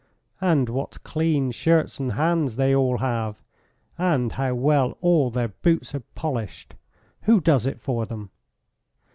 And what clean shirts and hands they all have, and how well all their boots are polished! Who does it for them?